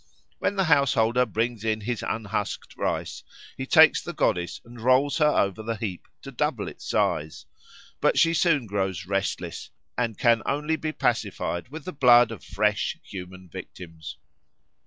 When the householder brings in his unhusked rice, he takes the goddess and rolls her over the heap to double its size. But she soon grows restless and can only be pacified with the blood of fresh human victims.